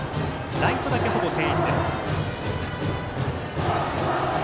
ライトだけほぼ定位置。